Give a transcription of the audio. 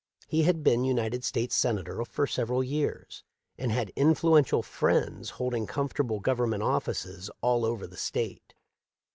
He had been United States Senator for several years, and had influential friends holding comfortable govern ment offices all over the State.